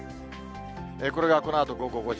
これがこのあと午後５時。